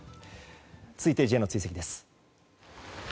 続いて、Ｊの追跡です。